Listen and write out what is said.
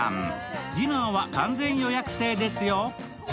ディナーは完全予約制ですよ。